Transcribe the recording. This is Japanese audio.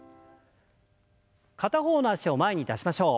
片方の脚を前に出しましょう。